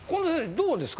どうですか？